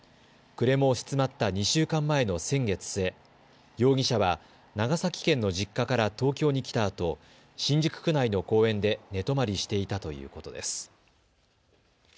暮れも押し迫った２週間前の先月末、容疑者は長崎県の実家から東京に来たあと新宿区内の公園で寝泊まりしていたということです。